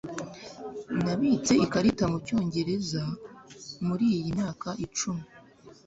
Nabitse ikarita mucyongereza muriyi myaka icumi.